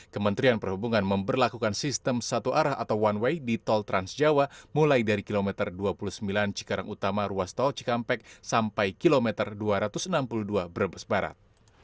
kementerian perhubungan memperlakukan sistem satu arah atau one way di tol transjawa mulai dari kilometer dua puluh sembilan cikarang utama ruas tol cikampek sampai kilometer dua ratus enam puluh dua brebes barat